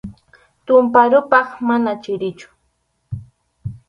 Tumpa ruphaq mana chirichu.